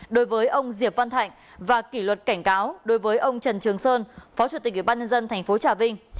đối với ông diệp văn thạnh và kỷ luật cảnh cáo đối với ông trần trường sơn phó chủ tịch ủy ban nhân dân tp trà vinh